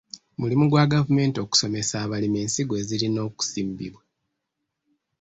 Mulimu gwa gavumenti okusomesa abalimi ensigo ezirina okusimbibwa.